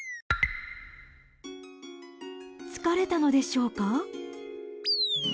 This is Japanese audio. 疲れたのでしょうか。